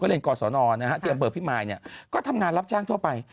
เรียนกศนที่อำเภอพิมายก็ทำงานรับจ้างทั่วไป